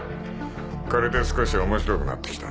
これで少し面白くなってきたな。